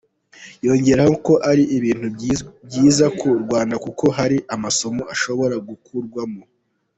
Yongeraho ko ari ‘ibintu byiza’ ku Rwanda kuko hari amasomo ishobora gukurwamo.